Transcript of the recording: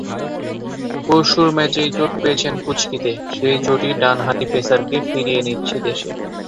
পরশুর ম্যাচেই চোট পেয়েছেন কুঁচকিতে, সেই চোটই ডানহাতি পেসারকে ফিরিয়ে নিচ্ছে দেশে।